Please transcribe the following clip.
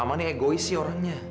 mama ini egois sih orangnya